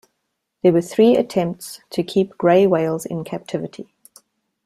There were three attempts to keep grey whales in captivity.